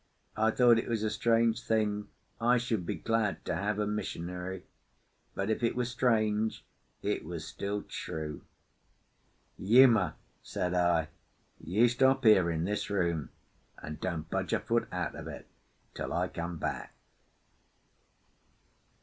I thought it was a strange thing I should be glad to have a missionary; but, if it was strange, it was still true. "Uma," said I, "you stop here in this room, and don't budge a foot out of it till I come back."